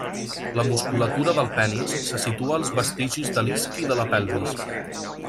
La musculatura del penis se situa als vestigis de l'isqui de la pelvis.